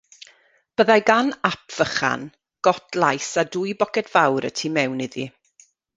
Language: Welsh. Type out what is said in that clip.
Byddai gan Ap Vychan got laes a dwy boced fawr y tu mewn iddi.